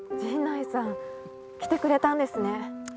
陣内さん来てくれたんですね。